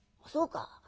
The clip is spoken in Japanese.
「そうか。